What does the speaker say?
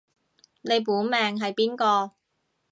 你本命係邊個